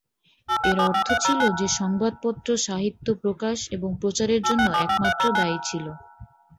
এর অর্থ ছিল যে সংবাদপত্র সাহিত্য প্রকাশ এবং প্রচারের জন্য একমাত্র দায়ী ছিল।